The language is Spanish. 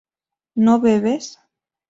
¿no bebes?